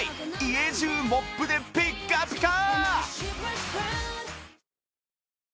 家中モップでピッカピカ！